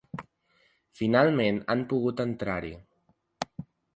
Finalment han pogut entrar-hi.